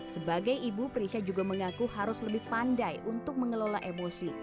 sebagai ibu prisha juga mengaku harus lebih pandai untuk mengelola emosi